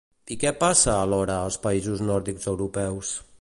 I què passa, alhora, als països nòrdics europeus?